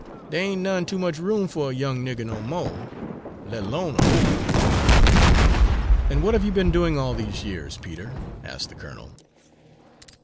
Dey ain' none too much room fer a young nigger no mo', let 'lone a' ol' one." "And what have you been doing all these years, Peter?" asked the colonel.